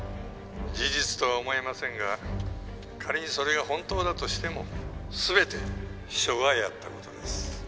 「事実とは思えませんが仮にそれが本当だとしても全て秘書がやった事です」